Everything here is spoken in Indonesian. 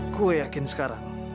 aku yakin sekarang